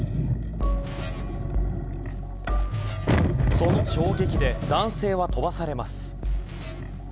その衝撃で男性は飛ばされます。